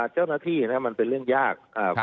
เจ้าหน้าที่มันเป็นเรื่องยาก